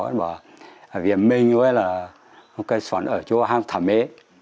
nó bảo viên minh với là bác cái sỏn ở chỗ hàng thảm mê